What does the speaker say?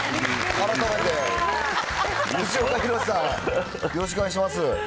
改めて、藤岡弘、さんよろしくお願いします。